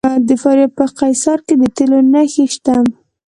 د فاریاب په قیصار کې د تیلو نښې شته.